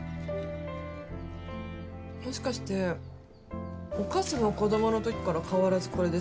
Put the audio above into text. もしかしてお菓子も子供の時から変わらずこれですか？